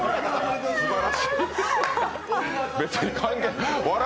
すばらしい。